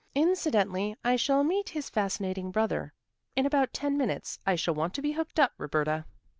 Incidentally I shall meet his fascinating brother. In about ten minutes I shall want to be hooked up, Roberta."